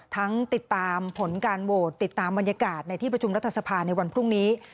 ติดตามผลการโหวตติดตามบรรยากาศในที่ประชุมรัฐสภาในวันพรุ่งนี้